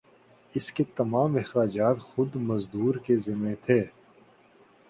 اس کے تمام اخراجات خود مزدور کے ذمہ تھے